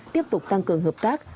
tiếp tục tăng cường hợp tác